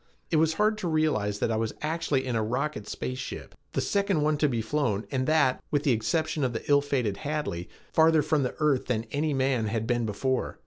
It was hard to realize that I was actually in a rocket space ship, the second one to be flown and that, with the exception of the ill fated Hadley, farther from the earth than any man had been before.